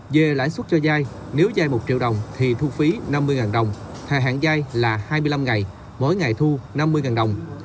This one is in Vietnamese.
về lãi suất cho dài nếu dài một triệu đồng thì thu phí năm mươi đồng hệ hạn dài là hai mươi năm ngày mỗi ngày thu năm mươi đồng